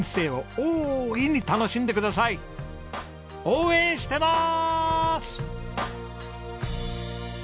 応援してます！